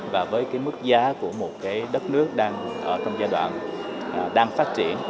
và với mức giá của một đất nước đang phát triển